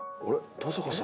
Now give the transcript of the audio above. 登坂さん